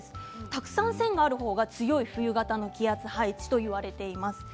たくさん線がある方が強い冬型の気圧配置と言われています。